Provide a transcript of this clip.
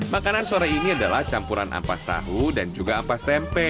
makanan sore ini adalah campuran ampas tahu dan juga ampas tempe